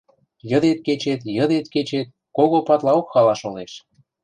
Йыдет-кечет, йыдет-кечет кого падлаок хала шолеш.